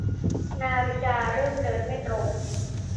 นาฬิกาเริ่มเดินไม่ตรง